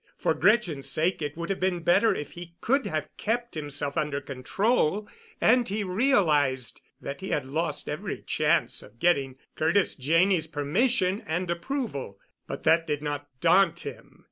For Gretchen's sake it would have been better if he could have kept himself under control, and he realized that he had lost every chance of getting Curtis Janney's permission and approval. But that did not daunt him.